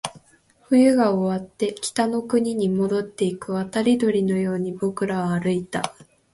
冬が終わって、北の国に戻っていく渡り鳥のように僕らは歩いた